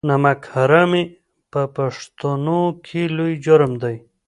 نمک حرامي په پښتنو کې لوی جرم دی.